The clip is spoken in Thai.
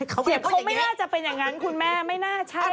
เขาไม่น่าจะเป็นอย่างนั้นคุณแม่ไม่น่าใช่เหรอ